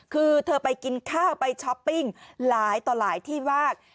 คือเธอไปกินข้าวไปช้อปปิ้งหลายต่อหลายที่มาก